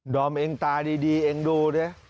อมเองตาดีเองดูดิ